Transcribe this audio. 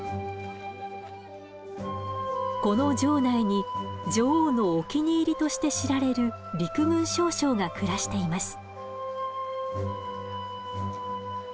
この城内に女王のお気に入りとして知られる陸軍少将が暮らしています。